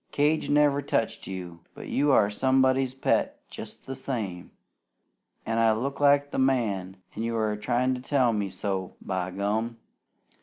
Cage never touched you! But you are somebody's pet jest the same. An' I look like the man, an' you are tryin' to tell me so, by gum!"